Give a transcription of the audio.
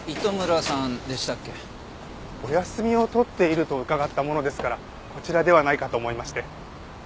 お休みを取っていると伺ったものですからこちらではないかと思いまして。